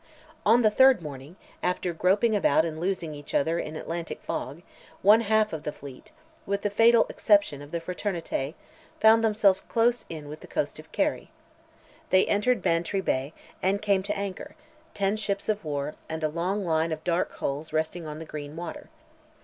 On the third morning, after groping about and losing each other in Atlantic fog, one half the fleet (with the fatal exception of the Fraternité) found themselves close in with the coast of Kerry. They entered Bantry Bay, and came to anchor, ten ships of war, and "a long line of dark hulls resting on the green water."